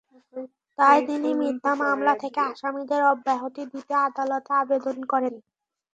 তাই তিনি মিথ্যা মামলা থেকে আসামিদের অব্যাহতি দিতে আদালতে আবেদন করেন।